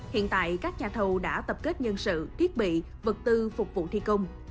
hiện tại các nhà thầu đã tập kết nhân sự thiết bị vật tư phục vụ thi công